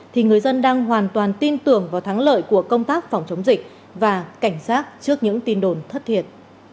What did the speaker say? thì người dân đang hoàn toàn tin tưởng vào thắng lợi của công tác phòng chống dịch và cảnh giác trước những tin đồn thất thiệt